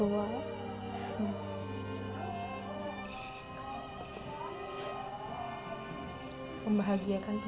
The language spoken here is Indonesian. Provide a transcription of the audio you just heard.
tidak hanya aku pengen membahagiakan orang tua